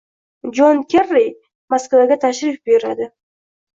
Jon Kerri Moskvaga tashrif buyuradi